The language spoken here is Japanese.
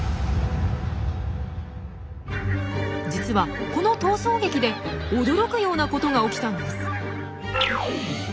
実はこの逃走劇で驚くようなことが起きたんです。